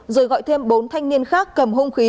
rồi gọi thêm bốn thanh niên khác cầm hung khí